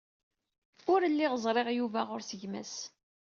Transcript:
Ur lliɣ ẓriɣ Yuba ɣer-s gma-s.